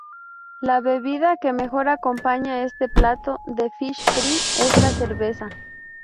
La bebida que mejor acompaña este plato de 'fish fry' es la cerveza.